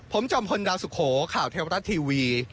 ผมจอมพลดาวสุโขข่าวเทวรัฐทีวี